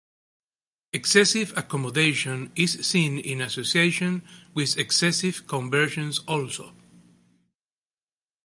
Excessive accommodation is seen in association with excessive convergence also.